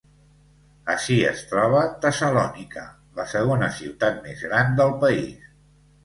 Ací es troba Tessalònica, la segona ciutat més gran del país.